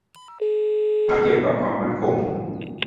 หากเกี่ยวกับความมั่นคง